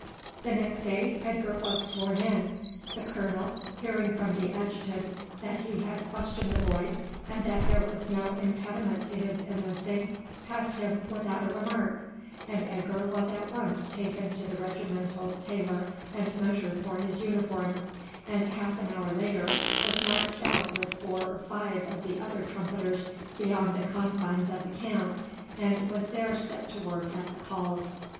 The next day Edgar was sworn in. The colonel, hearing from the adjutant that he had questioned the boy, and that there was no impediment to his enlisting, passed him without a remark, and Edgar was at once taken to the regimental tailor and measured for his uniform, and half an hour later was marched out with four or five of the other trumpeters beyond the confines of the camp, and was there set to work at the calls.